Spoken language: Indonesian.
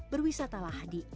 berwisatalah di indonesia